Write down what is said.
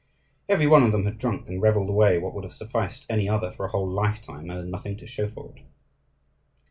Every one of them had drunk and revelled away what would have sufficed any other for a whole lifetime, and had nothing to show for it.